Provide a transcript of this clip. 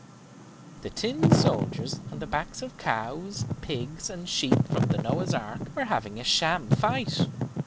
The tin soldiers, on the backs of cows, pigs, and sheep from the Noah's Ark were having a sham fight.